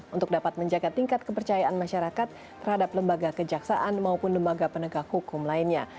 untuk dapat menjaga tingkat kepercayaan masyarakat terhadap lembaga kejaksaan maupun lembaga penegak hukum lainnya